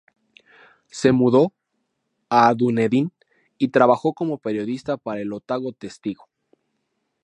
Se mudó a Dunedin, y trabajó como periodista para el "Otago Testigo".